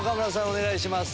お願いします。